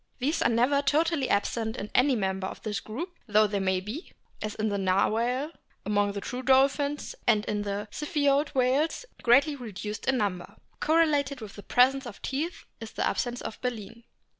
These are never totally absent in any member of this group, though they may be as in the Narwhal among the true dolphins, and in the Ziphioid whales greatly reduced in number. Correlated with the presence of teeth is the absence of baleen.